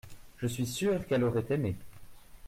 Je suis sûr qu’elle aurait aimé.